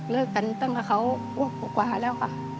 เลิกกันตั้งแต่เขาขวบกว่าแล้วค่ะ